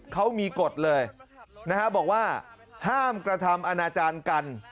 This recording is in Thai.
เขามีกฎเลยนะฮะบอกว่าห้ามกระทำอนาจารย์กัน